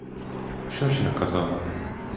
Що ж я сказала?